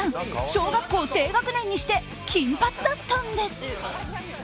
小学校低学年にして金髪だったんです。